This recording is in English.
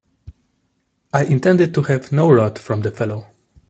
I intended to have no rot from the fellow.